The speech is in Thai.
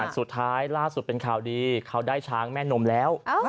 สุดท้ายล่าสุดเป็นข่าวดีเขาได้ช้างแม่นมแล้ว